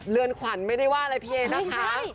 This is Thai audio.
เรือนขวัญไม่ได้ว่าอะไรพี่เอนะคะ